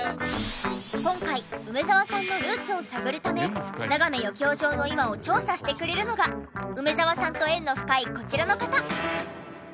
今回梅沢さんのルーツを探るためながめ余興場の今を調査してくれるのが梅沢さんと縁の深いこちらの方。